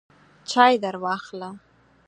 چای درواخله !